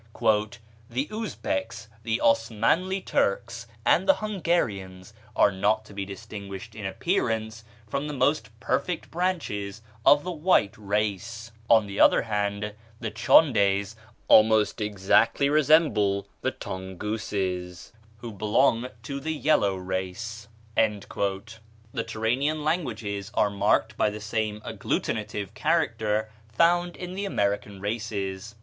"The Uzbecs, the Osmanli Turks, and the Hungarians are not to be distinguished in appearance from the most perfect branches of the white race; on the other hand, the Tchondes almost exactly resemble the Tongouses, who belong to the yellow race. The Turanian languages are marked by the same agglutinative character found in the American races.